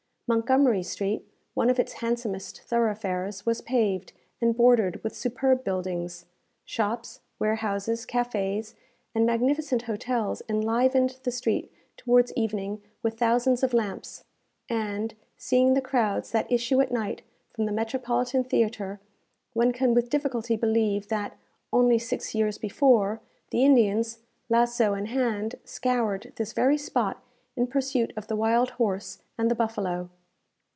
Montgomery Street, one of its handsomest thoroughfares, was paved, and bordered with superb buildings. Shops, warehouses, cafés, and magnificent hotels enlivened the street towards evening with thousands of lamps; and, seeing the crowds that issue at night from the Metropolitan Theatre, one can with difficulty believe that, only six years before, the Indians, lasso in hand, scoured this very spot in pursuit of the wild horse and the buffalo.